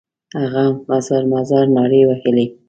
هغه مزار مزار نارې وهلې.